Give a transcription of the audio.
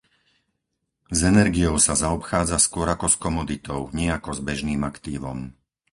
S energiou sa zaobchádza skôr ako s komoditou, nie ako s bežným aktívom.